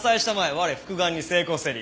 我復顔に成功せり。